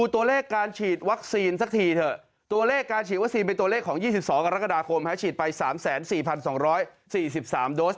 ตัวเลขการฉีดวัสีเป็นตัวเลขของ๒๒กรกฎาคมฉีดไป๓๔๒๔๓โดส